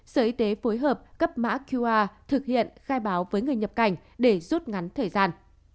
sở y tế phối hợp cấp mã qr thực hiện khai báo với người nhập cảnh để rút ngắn thời gian